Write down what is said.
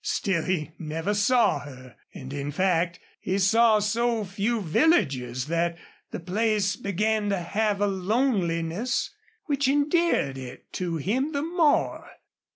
Still, he never saw her, and, in fact, he saw so few villagers that the place began to have a loneliness which endeared it to him the more.